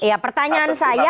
ya pertanyaan saya